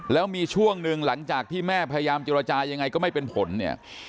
แล้วมีช่วงหนึ่งหลังจากที่แม่พยายามเจรจายังไงก็ไม่เป็นผลเนี่ย